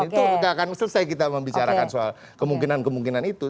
itu tidak akan selesai kita membicarakan soal kemungkinan kemungkinan itu